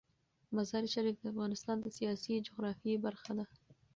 مزارشریف د افغانستان د سیاسي جغرافیه برخه ده.